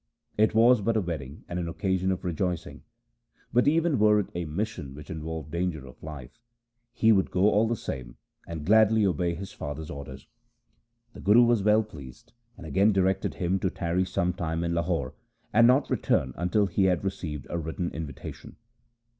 • It was but a wedding and an occasion of rejoicing ; but even were it a mission which involved danger of life, he would go all the same and gladly obey his father's orders. The Guru was well pleased, and again directed him to tarry some time in Lahore, and not return until he had received a written invitation.